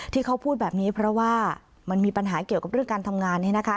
ที่เขาพูดแบบนี้เพราะว่ามันมีปัญหาเกี่ยวกับเรื่องการทำงานเนี่ยนะคะ